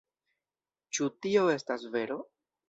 Ĉu tio estas vero?